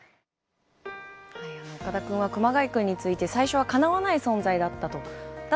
岡田君は熊谷君について、最初はかなわない存在だったと。